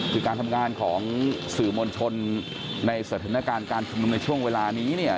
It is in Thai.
คือการทำงานของสื่อมวลชนในสถานการณ์การทำงานช่วงเวลานี้